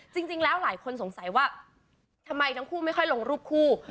จริงแล้วหลายคนสงสัยว่าทำไมทั้งคู่ไม่ค่อยลงรูปคู่